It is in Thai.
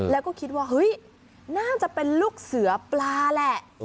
แล้วก็คิดว่าเฮ้ยน่าจะเป็นลูกเสือปลาแหละ